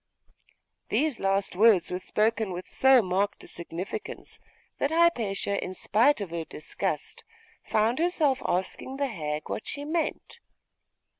These last words were spoken with so marked a significance, that Hypatia, in spite of her disgust, found herself asking the hag what she meant.